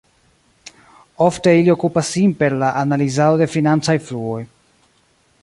Ofte ili okupas sin per la analizado de financaj fluoj.